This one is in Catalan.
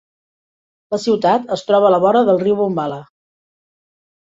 La ciutat es troba a la vora del riu Bombala.